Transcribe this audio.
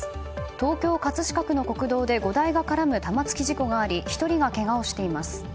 東京・葛飾区の国道で５台が絡む玉突き事故があり１人がけがをしています。